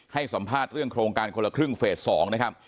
ให้สัมภาษณ์เรื่องโครงการคนละครึ่งเฟส๒นะครับ